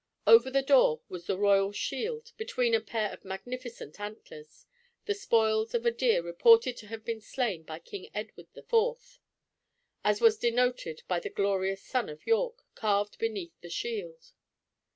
Over the door was the royal shield, between a pair of magnificent antlers, the spoils of a deer reported to have been slain by King Edward IV., as was denoted by the "glorious sun of York" carved beneath the shield.